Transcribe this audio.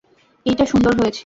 এইটা সুন্দর হয়েছে।